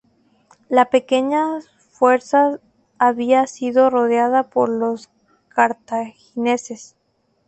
La pequeña fuerza había sido rodeada por los cartagineses.